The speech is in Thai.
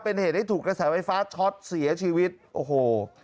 เป็นเหตุให้ถูกกระแสไฟฟ้าช็อตเสียชีวิตโอ้โห